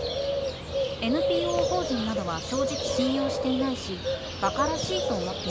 ＮＰＯ法人などは正直信用していないし馬鹿らしいと思っています。